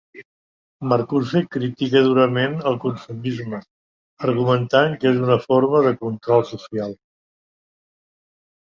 Marcuse critica durament el consumisme, argumentant que és una forma de control social.